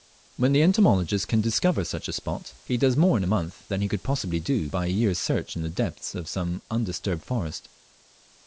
When the entomologist can discover such a spot, he does more in a mouth than he could possibly do by a year's search in the depths of the undisturbed forest.